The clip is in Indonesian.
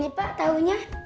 ini pak taunya